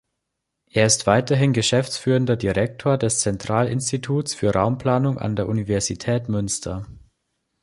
Er ist weiterhin geschäftsführender Direktor des Zentralinstituts für Raumplanung an der Universität Münster.